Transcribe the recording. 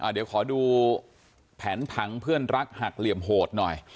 เดี๋ยวขอดูแผนผังเพื่อนรักหักเหลี่ยมโหดหน่อย